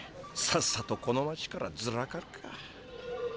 さっさとこの町からずらかるか。